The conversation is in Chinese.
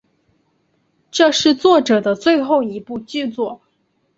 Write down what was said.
这是作者的最后一部剧作。